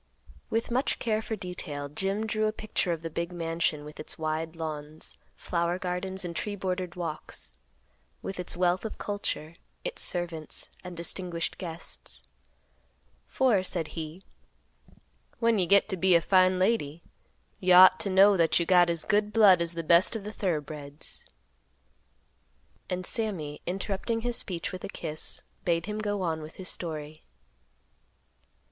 With much care for detail, Jim drew a picture of the big mansion with its wide lawns, flower gardens and tree bordered walks; with its wealth of culture, its servants, and distinguished guests; for, said he, "When you get to be a fine lady, you ought to know that you got as good blood as the best of the thorough breds." And Sammy, interrupting his speech with a kiss, bade him go on with his story.